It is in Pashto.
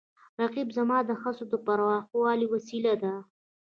رقیب زما د هڅو د پراخولو وسیله ده